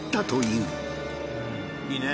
いいね。